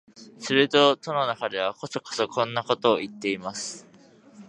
すると戸の中では、こそこそこんなことを言っています